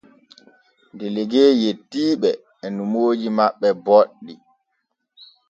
Delegue yetti ɓe e nomooji maɓɓe boɗɗi.